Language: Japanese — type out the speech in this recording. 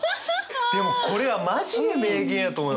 でもこれはマジで名言やと思います。